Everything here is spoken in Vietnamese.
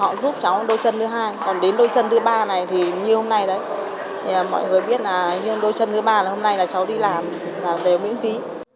mọi người biết là như đôi chân thứ ba là hôm nay là cháu đi làm và đều miễn phí